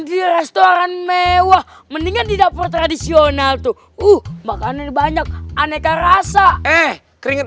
di restoran mewah mendingan di dapur tradisional tuh uh makanan banyak aneka rasa eh keringat